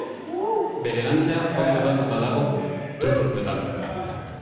Bere lantzea oso hedatua dago tropikoetan.